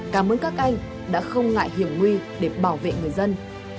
cảm ơn các anh đã không ngại hiểu nguy để bảo vệ người dân